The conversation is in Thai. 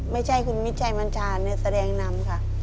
ไม่ใช่คุณมิชัยบัญชาแสดงนำค่ะ